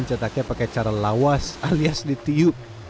cetaknya pakai cara lawas alias ditiup